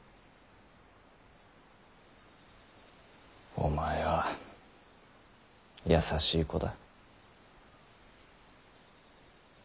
お前は優しい子だ。